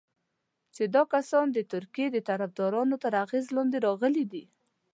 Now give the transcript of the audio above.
چې دا کسان د ترکیې د طرفدارانو تر اغېز لاندې راغلي دي.